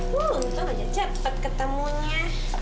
wuh tolong aja cepat ketemunya